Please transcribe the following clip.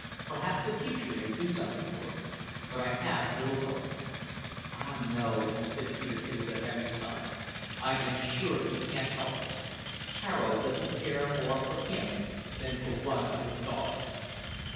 Perhaps the teacher may do something for us. But I have little hope." "Ah no!" said Peterkin with a heavy sigh; "I am sure he can't help us. Tararo doesn't care more for him than for one of his dogs."